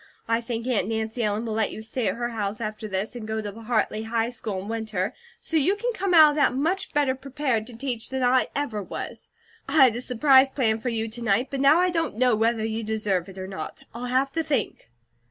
I think Aunt Nancy Ellen will let you stay at her house after this, and go to the Hartley High School in winter, so you can come out of that much better prepared to teach than I ever was. I had a surprise planned for you to night, but now I don't know whether you deserve it or not. I'll have to think."